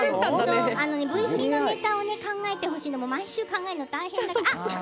Ｖ振りのネタを考えてほしいの毎週考えるの大変だから。